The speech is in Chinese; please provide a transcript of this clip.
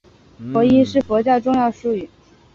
佛音是佛教重要术语。